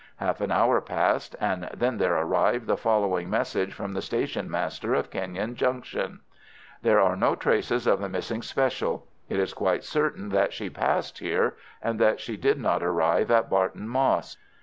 Half an hour passed, and then there arrived the following message from the station master of Kenyon Junction:— "There are no traces of the missing special. It is quite certain that she passed here, and that she did not arrive at Barton Moss.